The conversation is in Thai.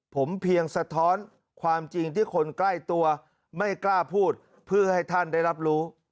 ผมเพียงสะท้อนความจริงที่คนใกล้ตัวไม่กล้าพูดเพื่อให้ท่านได้รับรู้